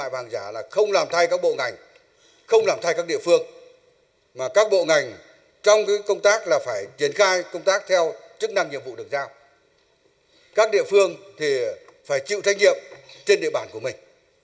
phải chịu trách nhiệm trên địa bàn của mình